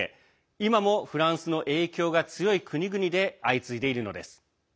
今もフランスの影響が強い国々で相次いでいるのです。